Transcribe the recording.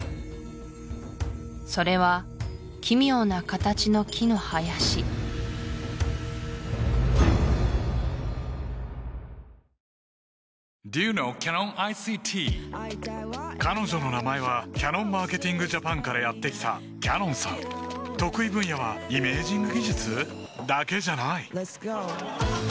それは奇妙な形の木の林彼女の名前はキヤノンマーケティングジャパンからやって来たＣａｎｏｎさん得意分野はイメージング技術？だけじゃないパチンッ！